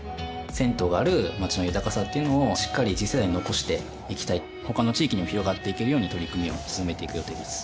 銭湯があるまちの豊かさっていうのをしっかり次世代に残していきたいほかの地域にも広がっていけるように取り組みを進めていく予定です